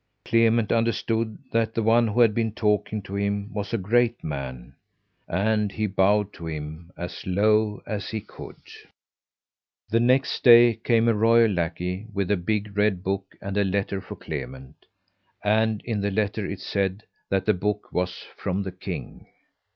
Clement understood that the one who had been talking to him was a great man, and he bowed to him as low as he could. The next day came a royal lackey with a big red book and a letter for Clement, and in the letter it said that the book was from the King.